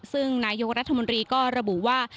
ซึ่งนายกรัฐมนตรีก็ระบุว่า